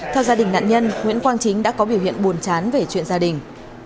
theo gia đình nạn nhân nguyễn quang chính đã có biểu hiện buồn chán về chuyện gia đình